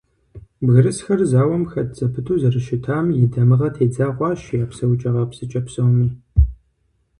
Бгырысхэр зауэм хэт зэпыту зэрыщытам и дамыгъэ тедза хъуащ я псэукӀэ-гъэпсыкӀэ псоми.